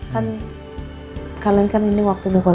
kan kalian kan ini waktu dikualiti tahun berdua